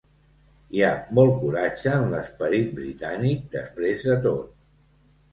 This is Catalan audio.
Hi ha molt coratge en l'esperit britànic després de tot.